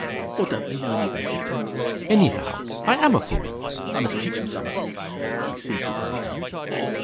... Or don't they know any better? ... Anyhow, I am a fool.... I must teach 'em summat!" He seized the telephone.